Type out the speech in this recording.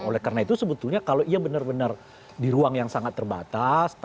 oleh karena itu sebetulnya kalau ia benar benar di ruang yang sangat terbatas